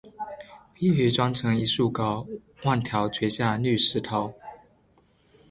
碧玉妆成一树高，万条垂下绿丝绦